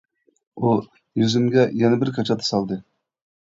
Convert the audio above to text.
ئۇ يۈزۈمگە يەنە بىر كاچات سالدى.